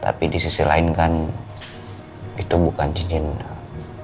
tapi di sisi lain kan itu bukan cincin pemberiannya